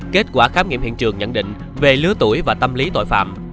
kết quả khám nghiệm hiện trường nhận định về lứa tuổi và tâm lý tội phạm